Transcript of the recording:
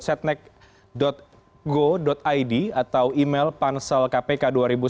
setnek go id atau email pansel kpk dua ribu sembilan belas